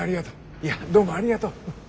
いやどうもありがとう。